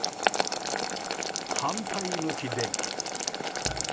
反対向きでも。